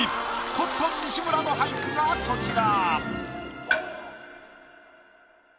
コットン西村の俳句がこちら。